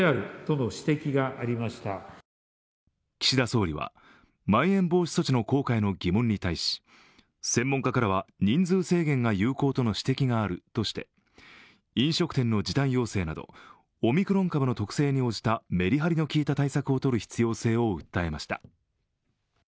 岸田総理は、まん延防止措置の効果への疑問に対し専門家からは、人数制限が有効との指摘があるとして飲食店の時短要請などオミクロン株の特性に応じためりはりの効いた対策をとる必要性を訴えました。